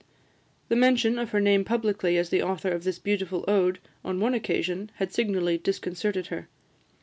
The mention of her name publicly as the author of this beautiful ode, on one occasion, had signally disconcerted her.